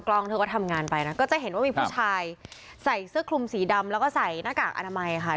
กล้องเธอก็ทำงานไปนะก็จะเห็นว่ามีผู้ชายใส่เสื้อคลุมสีดำแล้วก็ใส่หน้ากากอนามัยค่ะ